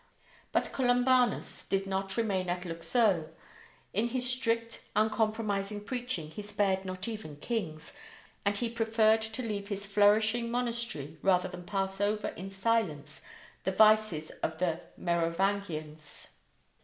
But Columbanus did not remain at Luxeuil. In his strict uncompromising preaching he spared not even kings, and he preferred to leave his flourishing monastery rather than pass over in silence the vices of the Merovingians.